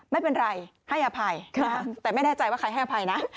ไม่เป็นไรให้อภัยแต่ไม่แน่ใจว่าใครให้อภัยนะ